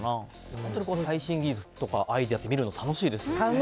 本当に最新技術やアイデア見るの楽しいですよね。